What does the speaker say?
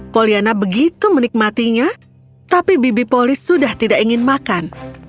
poliana begitu menikmatinya tapi bibi polis sudah tidak ingin makan